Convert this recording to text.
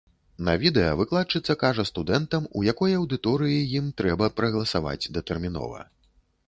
На відэа выкладчыца кажа студэнтам, у якой аўдыторыі ім трэба прагаласаваць датэрмінова.